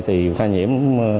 thì khoa nhiễm